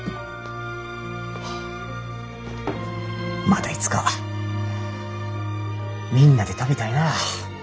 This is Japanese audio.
またいつかみんなで食べたいな。